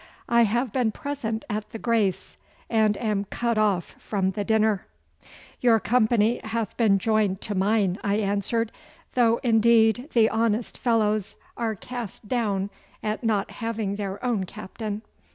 I have been present at the grace, and am cut off from the dinner.' 'Your company hath been joined to mine,' I answered, 'though, indeed, the honest fellows are cast down at not having their own captain.